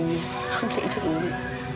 nggak akan sedih lagi